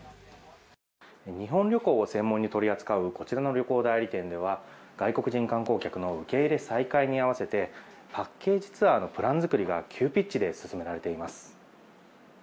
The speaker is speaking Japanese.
日本旅行を専門に取り扱うこちらの旅行代理店では外国人観光客の受け入れ再開に合わせてパッケージツアーのプラン作りが急ピッチで進められています。